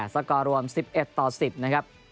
สกอร์รวม๑๑ต่อ๑๐นะครับ